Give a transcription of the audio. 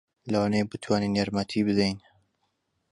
لەوانەیە بتوانین یارمەتی بدەین.